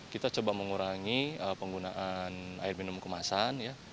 kita coba mengurangi penggunaan air minum kemasan ya